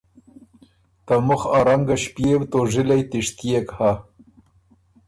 ته مُخ ا رنګه ݭپيېو توژِلئ تِشتيېک هۀ۔